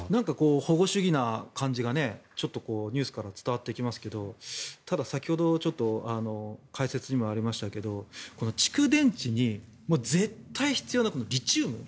保護主義な感じがちょっとニュースから伝わってきますがただ、先ほど解説にもありましたけど蓄電池に絶対に必要なリチウム。